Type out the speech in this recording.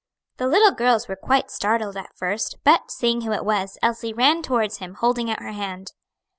The little girls were quite startled at first, but seeing who it was, Elsie ran towards him, holding out her hand.